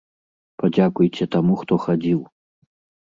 Падзякуйце таму, хто хадзіў.